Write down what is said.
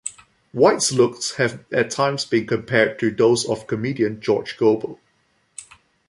White's looks have at times been compared to those of comedian George Gobel.